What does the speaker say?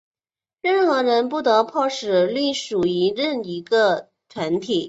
任何人不得迫使隶属于某一团体。